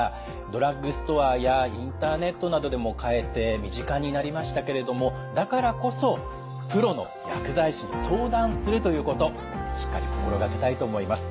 ドラッグストアやインターネットなどでも買えて身近になりましたけれどもだからこそプロの薬剤師に相談するということしっかり心掛けたいと思います。